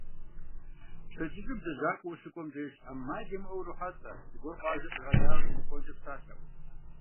Пщэдджыжьым лэжьакӏуэ ущыкӏуэм деж, ӏэмал имыӏэу урохьэлӏэ зыгуэр къуажэр къигъэдаӏуэу телефонкӏэ псалъэу.